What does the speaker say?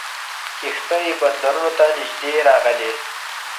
کښتۍ بندرونو ته نیژدې راغلې.